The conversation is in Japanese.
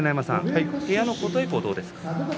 部屋の琴恵光はどうですか？